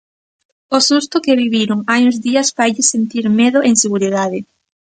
O susto que viviron hai uns días failles sentir medo e inseguridade.